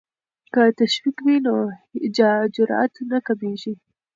که تشویق وي نو جرات نه کمېږي.